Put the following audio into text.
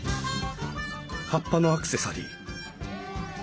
葉っぱのアクセサリー！